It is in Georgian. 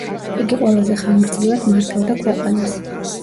იგი ყველაზე ხანგრძლივად მართავდა ქვეყანას.